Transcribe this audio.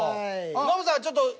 ノブさんちょっと。